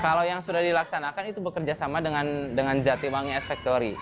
kalau yang sudah dilaksanakan itu bekerja sama dengan jatibangi as factory